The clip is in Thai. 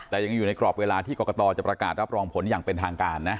แต่ยังอยู่ในกรอบเวลาที่กรกตจะประกาศรับรองผลอย่างเป็นทางการนะ